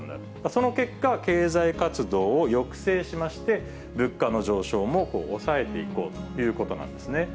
その結果、経済活動を抑制しまして、物価の上昇も抑えていこうということなんですね。